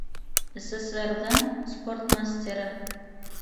СССР-ҙың спорт мастеры...